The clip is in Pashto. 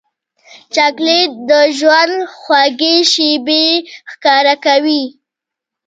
چاکلېټ د ژوند خوږې شېبې ښکاره کوي.